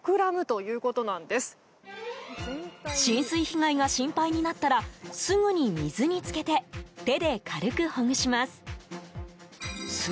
浸水被害が心配になったらすぐに水に浸けて手で軽くほぐします。